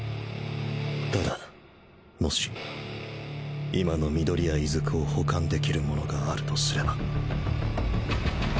ただもし今の緑谷出久を補完できるものがあるとすれば。